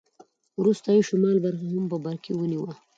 وروسته یې شمال برخه هم په برکې ونیوه.